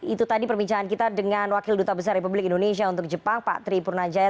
itu tadi perbincangan kita dengan wakil duta besar republik indonesia untuk jepang pak tri purnajaya